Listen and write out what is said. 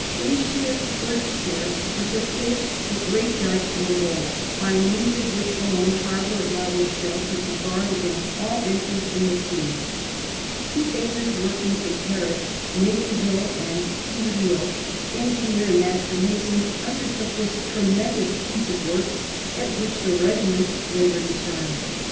Richelieu's first care was to finish the great dyke or mole by means of which alone the harbour of La Rochelle could be barred against all entrance from the sea. Two famous workmen from Paris, Metezeau and Tiriot, engineer and master mason, undertook this tremendous piece of work, at which the regiments laboured in turn.